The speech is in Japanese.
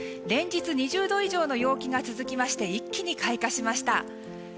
連日、２０度以上の陽気が続きまして一気に開花しました。